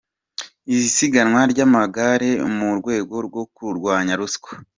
Isiganwa ry’amagare mu rwego rwo kurwanya ruswa